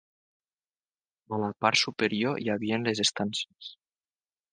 A la part superior hi havia les estances.